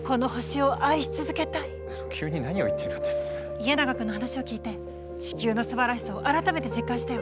家長君の話を聞いて地球のすばらしさを改めて実感したよ。